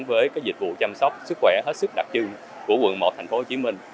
với dịch vụ chăm sóc sức khỏe hết sức đặc trưng của quận một thành phố hồ chí minh